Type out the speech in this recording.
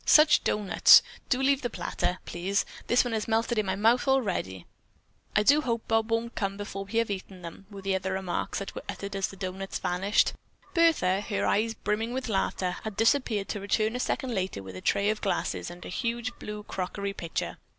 "Such doughnuts! Do leave the platter, please; this one has melted in my mouth already!" "I do hope Bob won't come before we have them eaten!" were among the remarks that were uttered as the doughnuts vanished. Bertha, her eyes brimming with laughter, had disappeared to return a second later with a tray of glasses and a huge blue crockery pitcher.